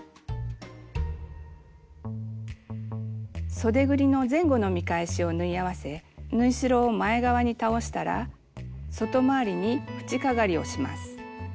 そでぐりの前後の見返しを縫い合わせ縫い代を前側に倒したら外回りに縁かがりをします。